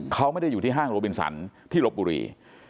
เขาไม่ได้อยู่ที่ห้างโรบินสันที่ลบบุรี